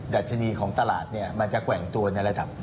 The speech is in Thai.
ดัชนีของตลาดมันจะแกว่งตัวในระดับ